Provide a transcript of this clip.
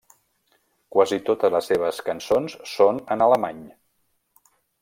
Quasi totes les seves cançons són en alemany.